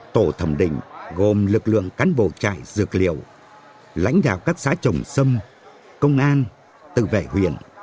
tổ thẩm định gồm lực lượng cán bộ trại dược liệu lãnh đạo các xã trồng sâm công an tự vệ huyện